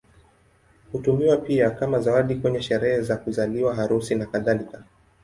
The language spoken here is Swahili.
Hutumiwa pia kama zawadi kwenye sherehe za kuzaliwa, harusi, nakadhalika.